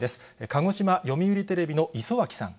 鹿児島読売テレビの磯脇さん。